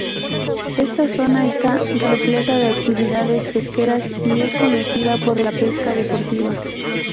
Esta zona está repleta de actividades pesqueras y es reconocida por la pesca deportiva.